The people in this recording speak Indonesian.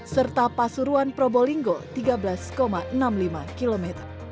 serta pasuruan probolinggo tiga belas enam puluh lima km